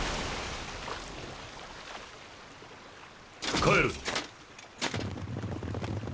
帰るぞ。